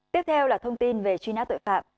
tiếp theo là thông tin về truy nã tội phạm